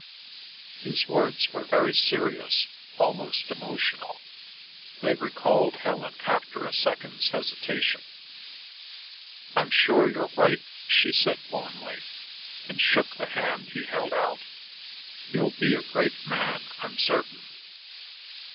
His words were very serious, almost emotional; they recalled Helen after a second's hesitation. "I'm sure you're right," she said warmly, and shook the hand he held out. "You'll be a great man, I'm certain."